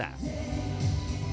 dan kita sudah sampai